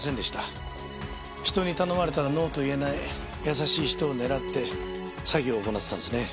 人に頼まれたらノーと言えない優しい人を狙って詐欺を行っていたんですね。